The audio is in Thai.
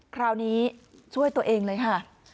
คราวนี้ช่วยตัวเองเลยค่ะ